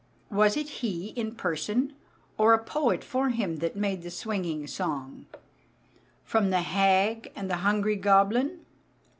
Was it he in person, or a poet for him, that made the swinging song: "From the hag and the hungry goblin"?